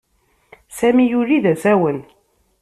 Sami yuli d asawen.